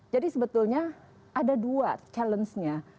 jadi sebetulnya ada dua challenge nya